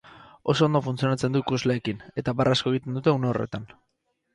Oso ondo funtzionatzen du ikusleekin, eta barre asko egiten dute une horretan.